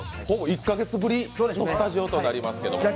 ほぼ１カ月ぶりのスタジオとなりますけど。